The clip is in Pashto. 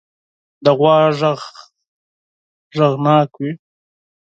د غوا غږ غږناک وي.